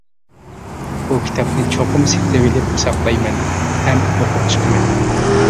بۇ كىتابنى چوقۇم سېتىۋېلىپ ساقلايمەن ھەم ئوقۇپ چىقىمەن.